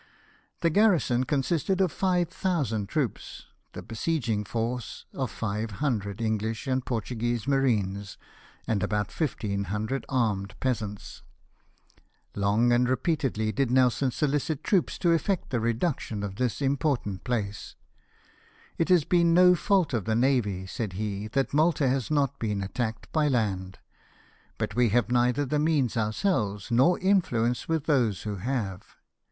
The garrison consisted of ^yq thousand troops, the besieging force of five hundred English and Portuguese marines, and about fifteen hundred armed peasants. Long and repeatedly did LETTER TO THE DUKE OF CLARENCE. 201 Nelson solicit troops to effect the reduction of this important place. " It has been no fault of the navy," said he, " that Malta has not been attacked by land, but we have neither the means ourselves nor influence with those who have."